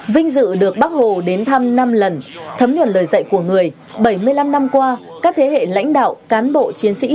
vinh dự được bác hồ đến thăm năm lần thấm nhuận lời dạy của người bảy mươi năm năm qua các thế hệ lãnh đạo cán bộ chiến sĩ